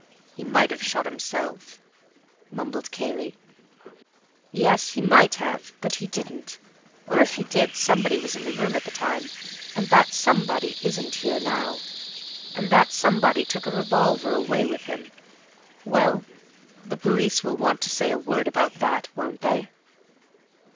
"He might have shot himself," mumbled Cayley. "Yes, he might have, but he didn't. Or if he did, somebody was in the room at the time, and that somebody isn't here now. And that somebody took a revolver away with him. Well, the police will want to say a word about that, won't they?"